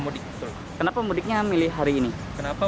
jadi mudiknya lebih awal